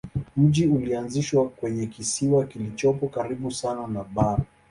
Mji ulianzishwa kwenye kisiwa kilichopo karibu sana na bara.